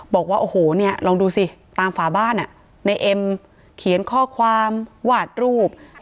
บอกว่าโอ้โหเนี่ยลองดูสิตามฝาบ้านในเอ็มเขียนข้อความวาดรูป